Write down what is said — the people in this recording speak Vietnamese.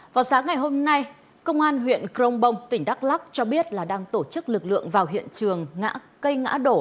vào sáng ngày hôm nay công an huyện crong bong tỉnh đắk lắc cho biết là đang tổ chức lực lượng vào hiện trường cây ngã đổ